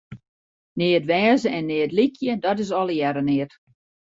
Neat wêze en neat lykje, dat is allegearre neat.